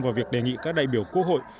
vào việc đề nghị các đại biểu quốc hội